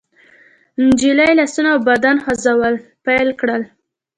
نجلۍ لاسونه او بدن خوځول پيل کړل.